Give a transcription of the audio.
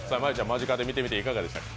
間近で見ていていかがでしたか？